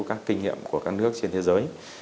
các kinh nghiệm của các nước trên thế giới